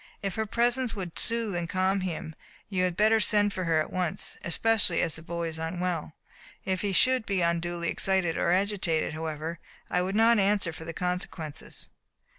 If her presence would soothe and calm him you had better send for her at once, especially as the boy is unwell. If he should be unduly excited or agitated, however, I would not answer for the consequences."